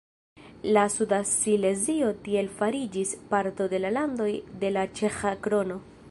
La suda Silezio tiel fariĝis parto de landoj de la ĉeĥa krono.